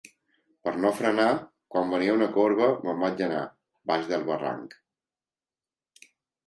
Per no frenar, quan venia una corba, me'n vaig anar, baix del barranc.